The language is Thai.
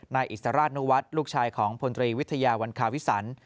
นายอิสราชนุวัฒน์ลูกชายของพลตรีวิทยาวันคาวิสัน